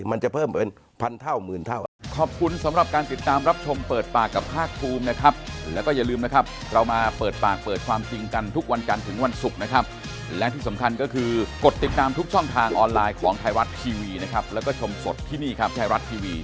มันจะเพิ่มเป็นพันเท่าหมื่นเท่า